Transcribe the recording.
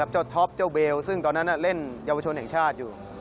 ท็อปเจ้าเบลซึ่งตอนนั้นเล่นเยาวชนแห่งชาติอยู่